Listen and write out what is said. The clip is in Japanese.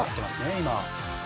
今。